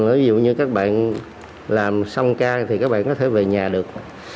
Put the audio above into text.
ví dụ như các bạn làm xong ca thì các bạn có thể về nhà được